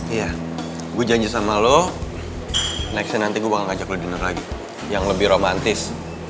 iya gue janji sama lo nextnya nanti gue bakal ngajak lu dinor lagi yang lebih romantis